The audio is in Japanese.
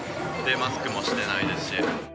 マスクもしてないですし。